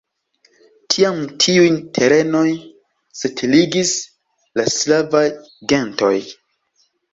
Tiam tiujn terenoj setligis la slavaj gentoj.